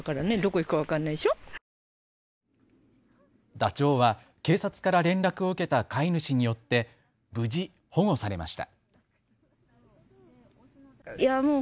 ダチョウは警察から連絡を受けた飼い主によって無事、保護されました。